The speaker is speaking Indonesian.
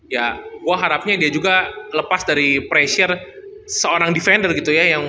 ya gue harapnya dia juga lepas dari pressure seorang defender gitu ya